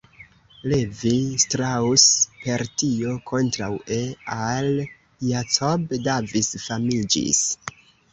Levi Strauss per tio, kontraŭe al Jacob Davis, famiĝis.